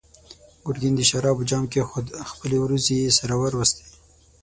ګرګين د شرابو جام کېښود، خپلې وروځې يې سره وروستې.